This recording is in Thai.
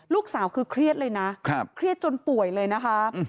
ลูกสาวคือเครียดเลยนะเครียดจนป่วยเลยนะคะ